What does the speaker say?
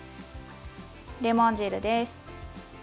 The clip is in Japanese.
レモン汁です。